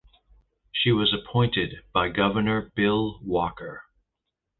She was appointed by Governor Bill Walker.